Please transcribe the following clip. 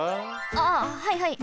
あはいはい！